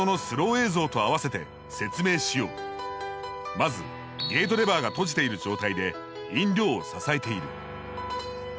まずゲートレバーが閉じている状態で飲料を支えている。